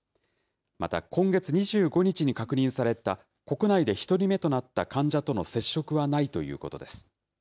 また、今月２５日に確認された国内で１人目となった患者との接触はないということです。